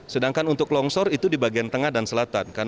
sedangkan untuk longsor itu di bagian tengah dan selatan